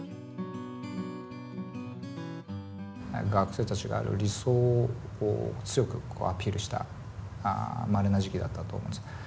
学生たちが理想を強くアピールしたまれな時期だったと思うんです。